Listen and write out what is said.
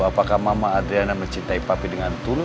apakah mamah adriana mencintai papi dengan tulus